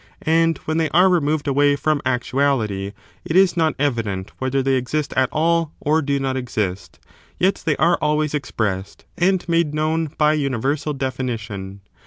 And when they are removed away from actuality it is not evident whether they exist at all or do not exist, yet they are always expressed and made known by universal definition.